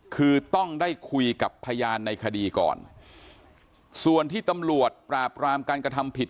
คือต้องได้คุยกับพยานในคดีก่อนส่วนที่ตำรวจปราบรามการกระทำผิด